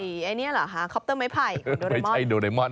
ใส่ไอ้เนี่ยเหรอคอปเตอร์ไม้ไผ่ของโดเรมอน